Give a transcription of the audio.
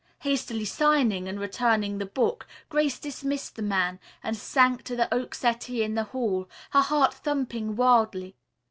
Hastily signing and returning the book, Grace dismissed the man, and sank to the oak settee in the hall, her heart thumping wildly.